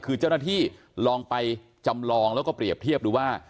คือเจ้าหน้าที่ลองไปจำลองแล้วก็เปรียบเทียบดูว่า